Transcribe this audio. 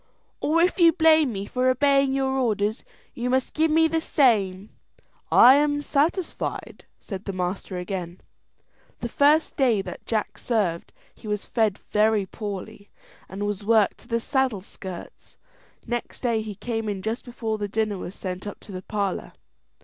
"Or if you blame me for obeying your orders, you must give the same." "I am satisfied," said the master again. The first day that Jack served he was fed very poorly, and was worked to the saddleskirts. Next day he came in just before the dinner was sent up to the parlour.